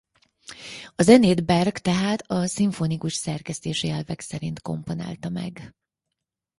A zenét Berg tehát a szimfonikus szerkesztési elvek szerint komponálta meg.